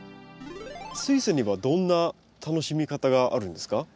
スイセンにはどんな楽しみ方があるんですか？